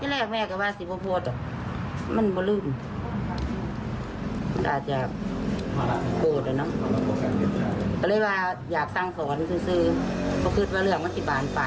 สมมุติ